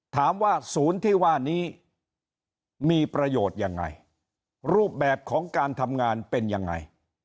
ถามว่าศูนย์ที่ว่านี้มีประโยชน์ยังไงรูปแบบของการทำงานเป็นยังไง